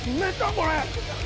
これ！